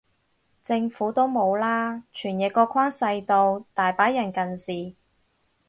政府都冇啦，傳譯個框細到，大把人近視